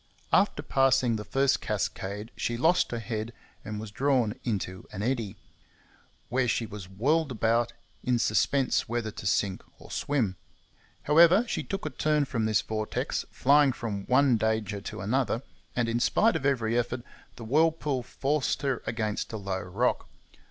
After passing the first cascade she lost her head and was drawn into an eddy, where she was whirled about, in suspense whether to sink or swim. However, she took a turn from this vortex, flying from one danger to another; but, in spite of every effort, the whirlpool forced her against a low rock.